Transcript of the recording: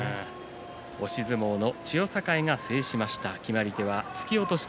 押し相撲の千代栄が制しました。